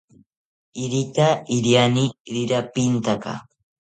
Irika iriani rirapintaka